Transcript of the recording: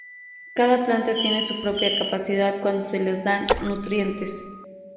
Cada planta tiene su propia capacidad cuando se les dan nutrientes.